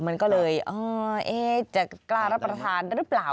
มันก็เลยจะกล้ารับประทานหรือเปล่า